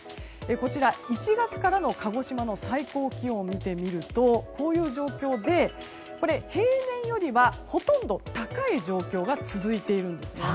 こちら１月からの鹿児島の最高気温を見てみるとこういう状況で平年よりはほとんど高い状況が続いているんですね。